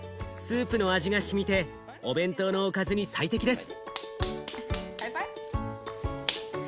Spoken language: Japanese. スープの味がしみてお弁当のおかずに最適です。